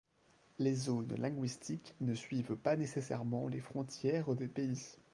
Les zones linguistiques ne suivent pas nécessairement les frontières des pays.